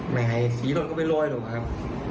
ไม่ให้ศรีรถเขาเป็นร้อยหรอกครับ